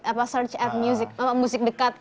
apa search at music musik dekat